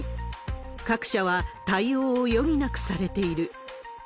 各社は対応を余儀なくされている。